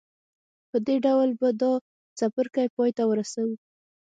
په دې ډول به دا څپرکی پای ته ورسوو